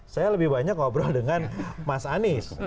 saya lebih banyak ngobrol dengan mas anies